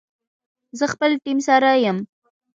زه خپل ټیم سره یم